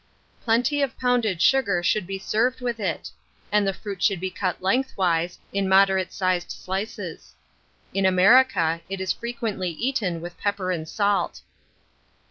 Plenty of pounded sugar should be served with it; and the fruit should be cut lengthwise, in moderate sized slices. In America, it is frequently eaten with pepper and salt.